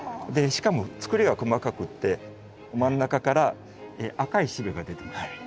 しかもつくりが細かくって真ん中から赤いしべが出てますね。